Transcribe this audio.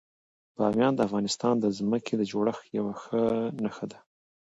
بامیان د افغانستان د ځمکې د جوړښت یوه ښه نښه ده.